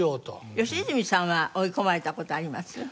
良純さんは追い込まれた事あります？